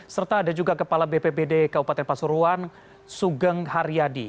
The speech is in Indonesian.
serta ada juga kepala bppd keupatan pasuruan sugeng haryadi